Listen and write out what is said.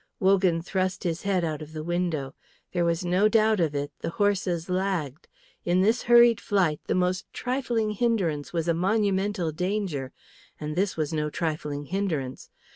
Wogan thrust his head out of the window. There was no doubt of it; the horses lagged. In this hurried flight the most trifling hindrance was a monumental danger, and this was no trifling hindrance.